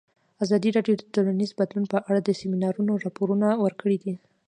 ازادي راډیو د ټولنیز بدلون په اړه د سیمینارونو راپورونه ورکړي.